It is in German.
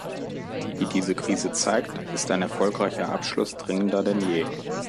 Wie diese Krise zeigt, ist ein erfolgreicher Abschluss dringender denn je.